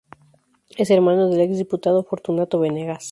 Es hermano del ex-diputado Fortunato Venegas.